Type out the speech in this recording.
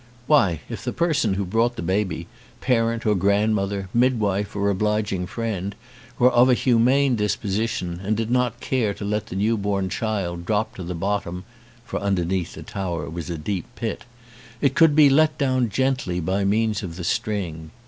Why, if the person who brought the baby, parent or grandmother, midwife or obliging friend, were of a humane disposition and did not care to let the new born child drop to the bottom (for underneath the tower was a deep pit), it could be let down gently by means of the string.